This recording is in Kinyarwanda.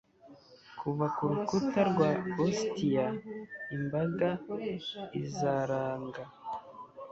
Kuva ku rukuta rwa Ostia imbaga izaranga